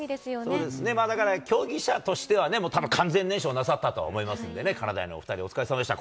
そうですね、だから競技者としてはね、たぶん、完全燃焼なさったと思いますのでね、かなだいのお２人、お疲れさまでした。